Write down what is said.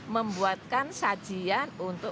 membuatkan sajian untuk